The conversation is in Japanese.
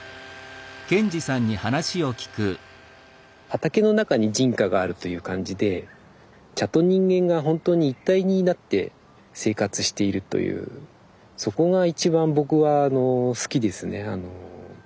畑の中に人家があるという感じで茶と人間がほんとに一体になって生活しているというそこが一番僕は好きですね。